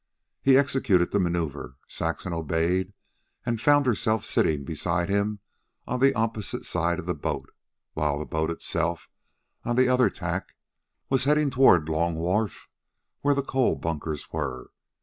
He executed the maneuver, Saxon obeyed, and found herself sitting beside him on the opposite side of the boat, while the boat itself, on the other tack, was heading toward Long Wharf where the coal bunkers were.